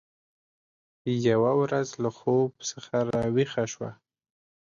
یوه ورځ له خوب څخه راویښه شوه